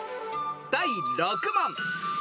［第６問。